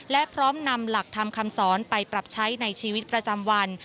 และพร้อมนำหลักธรรมคำสอนไปปรับใช้ในชีวิตประจำวัน